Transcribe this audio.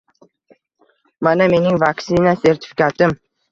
Mana mening vaksina sertifikatim.